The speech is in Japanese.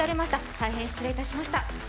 大変失礼いたしました。